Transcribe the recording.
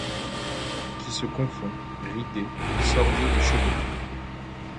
Qui se confond, ridé, sordide et chevelu